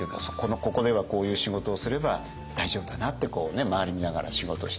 ここではこういう仕事をすれば大丈夫だなって周り見ながら仕事してる。